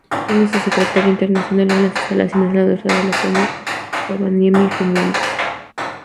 Tiene su secretaría internacional en las instalaciones de la Universidad de Laponia, Rovaniemi, Finlandia.